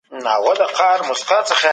خپل کور په پاکوالي کي بې ساری وساتئ.